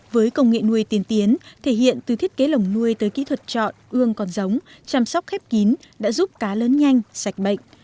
với công nghệ nuôi tiên tiến thể hiện từ thiết kế lồng nuôi tới kỹ thuật chọn ương còn giống chăm sóc khép kín đã giúp cá lớn nhanh sạch bệnh